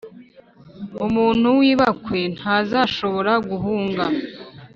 umuntu w’ibakwe ntazashobora guhunga,